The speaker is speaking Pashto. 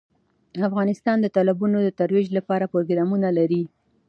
افغانستان د تالابونه د ترویج لپاره پروګرامونه لري.